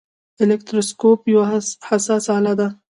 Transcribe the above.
الکتروسکوپ یوه حساسه آله ده.